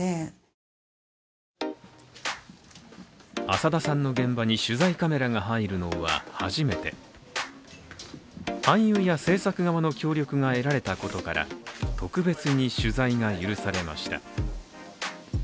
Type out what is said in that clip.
浅田さんの現場に取材カメラが入るのは初めて俳優や制作側の協力が得られたことから特別に取材が許されました。